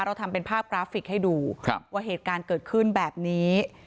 เราทำเป็นภาพกราฟิกให้ดูว่าเหตุการณ์เกิดขึ้นแบบนี้